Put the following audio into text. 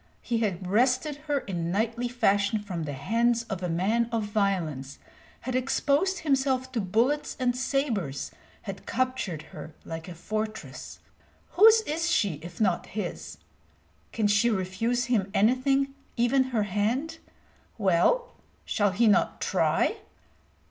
He had wrested her in knightly fashion from the hands of a man of violence, had exposed himself to bullets and sabres, had captured her like a fortress. Whose is she, if not his? Can she refuse him anything, even her hand? Well, shall he not try?